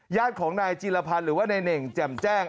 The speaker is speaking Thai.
ญาติของนายจิลภัณฑ์หรือว่าในเหน่งแจ่มแจ้ง